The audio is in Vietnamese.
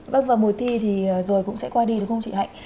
vâng vào mùa thi thì rồi cũng sẽ qua đi đúng không chị hạnh